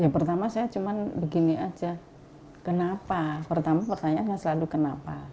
pertama saya cuma begini aja kenapa pertama pertanyaannya selalu kenapa